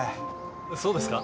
そうですか？